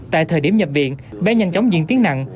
tại thời điểm nhập viện bé nhanh chóng diễn tiến nặng